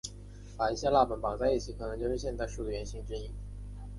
把一些蜡板绑在一起可能就是现代书的原型之一。